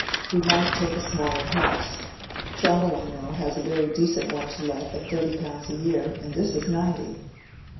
We might take a smaller house: Trumbull, I know, has a very decent one to let at thirty pounds a year, and this is ninety."